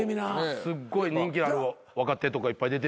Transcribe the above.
すっごい人気ある若手とかいっぱい出てるやんかあれって。